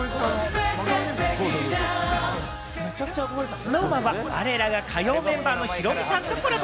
ＳｎｏｗＭａｎは我らが火曜メンバーのヒロミさんとコラボ。